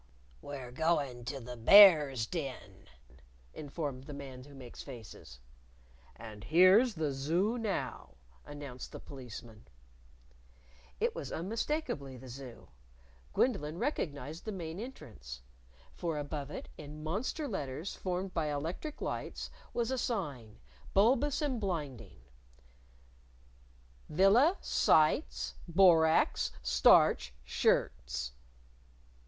"We're going to the Bear's Den," informed the Man Who Makes Faces. "And here's the Zoo now," announced the Policeman. It was unmistakably the Zoo. Gwendolyn recognized the main entrance. For above it, in monster letters formed by electric lights, was a sign, bulbous and blinding _Villa Sites Borax Starch Shirts.